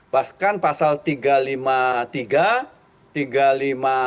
bahkan pasal tiga ratus lima puluh tiga